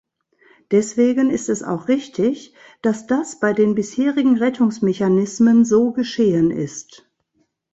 Deswegen ist es auch richtig, dass das bei den bisherigen Rettungsmechanismen so geschehen ist.